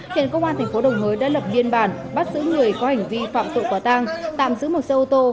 hiện công an tp đồng hới đã lập biên bản bắt giữ người có hành vi phạm tội quả tang tạm giữ một xe ô tô